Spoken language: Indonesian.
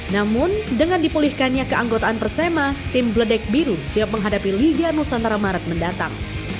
namun dengan dipulihkannya keanggotaan persema tim bledek biru siap menghadapi liga nusantara maret mendatang